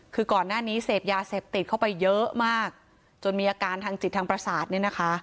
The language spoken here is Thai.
คือก่อนหน้านี้เสพยาเสพติดเข้าไปเยอะมากจนมีอาการทางจิตทางประสาทเนี่ยนะคะ